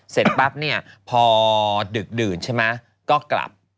เสร็จปั๊บเนี่ยพอดึกดื่นใช่ไหมก็กลับ